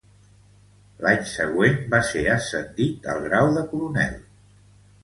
L'any següent, va ser ascendit al grau de coronel.